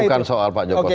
bukan soal pak joko santoso